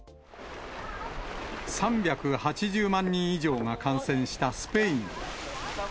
３８０万人以上が感染したスペイン。